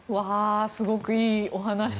すごくいいお話。